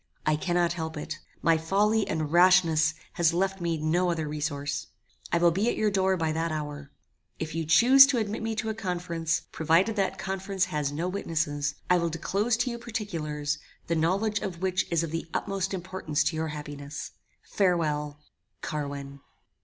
I cannot help it. My folly and rashness has left me no other resource. I will be at your door by that hour. If you chuse to admit me to a conference, provided that conference has no witnesses, I will disclose to you particulars, the knowledge of which is of the utmost importance to your happiness. Farewell. "CARWIN."